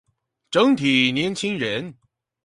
整體年輕人